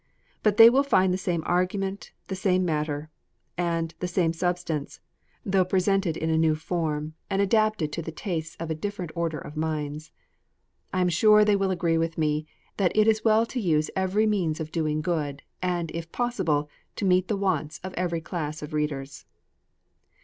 But they will find the same argument the same matter, and the same substance, though presented in a new form, and adapted VI PKEFACE. to the tastes of a different order of minds. I am sure they will agree with me, that it is well to use every means of doing good, and, if possible, to meet the wants of every class of readers.